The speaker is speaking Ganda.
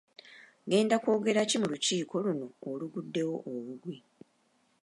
ŋŋenda kwogera ki mu lukiiko luno oluguddewo obuggwi.